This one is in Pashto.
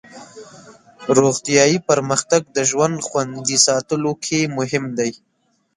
روغتیایي پرمختګ د ژوند خوندي ساتلو کې مهم دی.